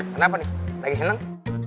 kenapa nih lagi seneng